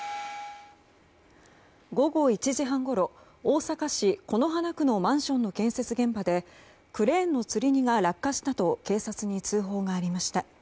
午後１時半ごろ大阪市此花区のマンションの建設現場でクレーンのつり荷が落下したと警察に通報がありました。